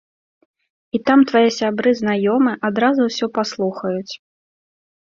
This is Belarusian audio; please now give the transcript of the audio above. І там твае сябры-знаёмыя адразу ўсё паслухаюць.